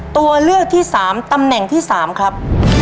ตัวเลือกที่๓ตำแหน่งที่๓ครับ